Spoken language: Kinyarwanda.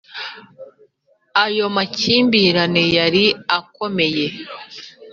ayo makimbirane yari akomeye